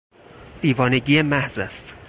دیوانگی محض است!